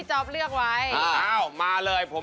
เสาคำยันอาวุธิ